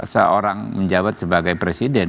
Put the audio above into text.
seorang menjabat sebagai presiden